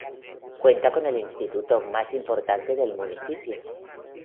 Cuenta con el instituto más importante del municipio.